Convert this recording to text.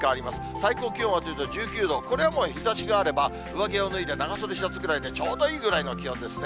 最高気温はというと、１９度、これはもう日ざしがあれば、上着を脱いで長袖シャツくらいでちょうどいいぐらいの気温ですね。